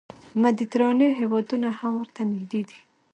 مدیترانې هېوادونه هم ورته نږدې دي.